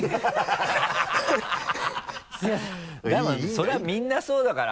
それはみんなそうだから。